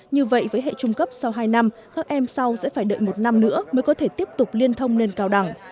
như vậy với hệ trung cấp sau hai năm các em sau sẽ phải đợi một năm nữa mới có thể tiếp tục liên thông lên cao đẳng